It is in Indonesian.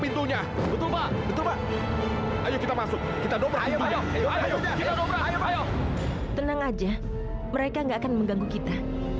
tenang aja mereka nggak akan mengganggu kita